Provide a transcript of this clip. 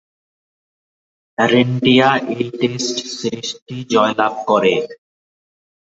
ভারত এই টেস্ট সিরিজটি জয়লাভ করে।